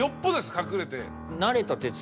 隠れて。